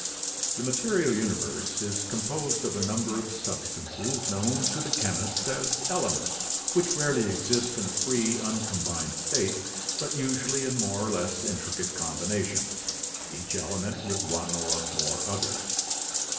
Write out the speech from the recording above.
— The material universe is composed of a number of substances known to the chemists as elements, which rarely exist in a free, uncombined state, but usually in more or less intricate combinations, each element with one or more others.